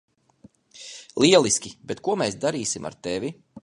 Lieliski, bet ko mēs darīsim ar tevi?